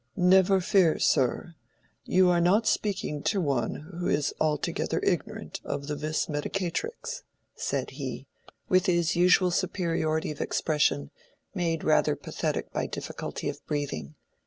"Never fear, sir; you are not speaking to one who is altogether ignorant of the vis medicatrix," said he, with his usual superiority of expression, made rather pathetic by difficulty of breathing.